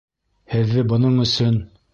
Һеҙҙе бының өсөн!..